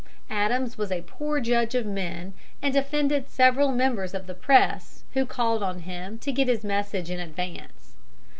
Adams was a poor judge of men, and offended several members of the press who called on him to get his message in advance.